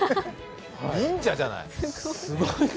忍者じゃない。